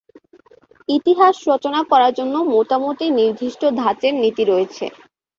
ইতিহাস রচনা করার জন্য মোটামুটি নির্দিষ্ট ধাঁচের নীতি রয়েছে।